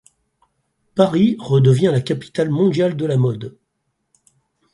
Paris redevient la capitale mondiale de la mode.